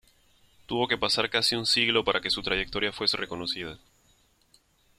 Tuvo que pasar casi un siglo para que su trayectoria fuese reconocida.